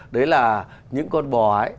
đấy là những con bò ấy